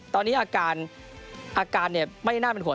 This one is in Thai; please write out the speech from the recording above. ตอนนี้อาการยังไม่ได้น่าเป็นขน